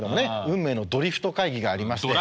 運命のドリフト会議がありまして。